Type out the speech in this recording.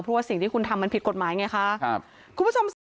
เพราะว่าสิ่งที่คุณทำมันผิดกฎหมายไงคะครับคุณผู้ชมค่ะ